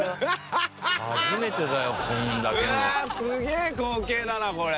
すげえ光景だなこれ。